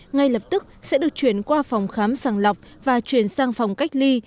ngay lập tức sẽ được chuyển qua phòng khám sàng lọc và chuyển sang phòng cách ly